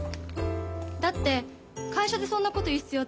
だって会社でそんなこと言う必要ってないでしょ？